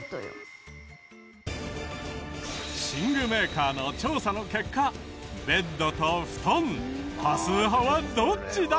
寝具メーカーの調査の結果ベッドと布団多数派はどっちだ？